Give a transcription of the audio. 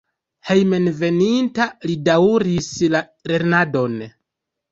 Hejmenveninta li daŭris la lernadon.